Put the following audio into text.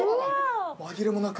紛れもなく。